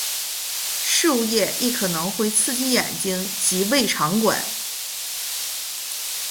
树液亦可能会刺激眼睛及胃肠管。